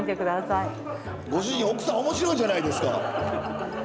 ご主人奥さん面白いじゃないですか。